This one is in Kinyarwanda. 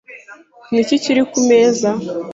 Ni iki kiri ku meza?